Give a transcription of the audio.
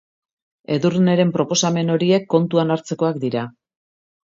Edurneren proposamen horiek kontuan hartzekoak dira.